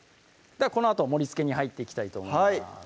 このあと盛りつけに入っていきたいと思います